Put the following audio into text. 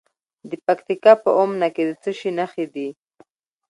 د پکتیکا په اومنه کې د څه شي نښې دي؟